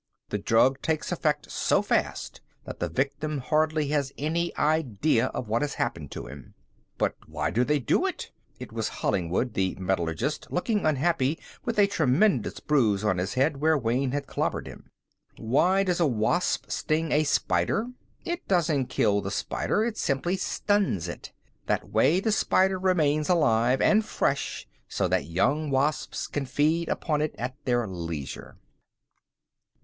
The drug takes effect so fast that the victim hardly has any idea of what has happened to him." "But why do they do it?" It was Hollingwood, the metallurgist, looking unhappy with a tremendous bruise on his head where Wayne had clobbered him. "Why does a wasp sting a spider? It doesn't kill the spider, it simply stuns it. That way, the spider remains alive and fresh so that young wasps can feed upon it at their leisure."